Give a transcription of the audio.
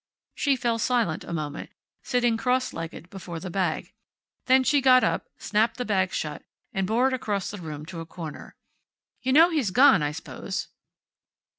She fell silent a moment, sitting cross legged before the bag. Then she got up, snapped the bag shut, and bore it across the room to a corner. "You know he's gone, I s'pose."